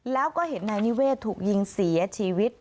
แล้วก็เห็นนายนิเวศถูกยิงเสียชีวิต